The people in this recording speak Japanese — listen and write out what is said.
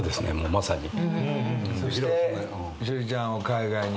そして趣里ちゃんを海外に。